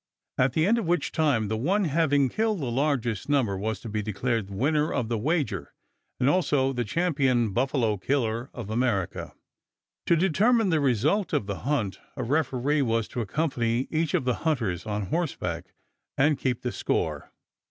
at the end of which time the one having killed the largest number was to be declared winner of the wager and also the "champion buffalo killer of America." To determine the result of the hunt, a referee was to accompany each of the hunters on horseback and keep the score.